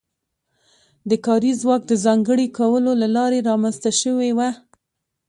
د کاري ځواک د ځانګړي کولو له لارې رامنځته شوې وه.